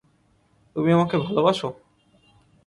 তুমি আমাকে ভালোবাসো?